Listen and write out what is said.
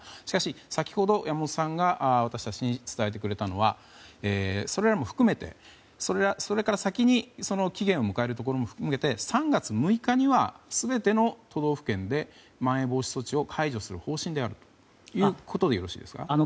しかし、先ほど山本さんが私たちに伝えてくれたのはそれらも含めてそれから先に期限を迎えるところも含めて３月６日には全ての都道府県でまん延防止措置を解除する方針であるということでよろしいですか？